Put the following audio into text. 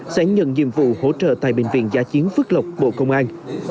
sẽ nhận nhiệm vụ hỗ trợ tại bệnh viện giả chiến phước lộc bộ công an